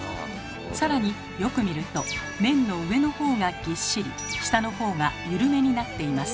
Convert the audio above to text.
更によく見ると麺の上の方がぎっしり下の方がゆるめになっています。